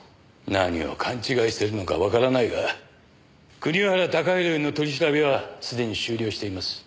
何を勘違いしているのかわからないが国原貴弘への取り調べは既に終了しています。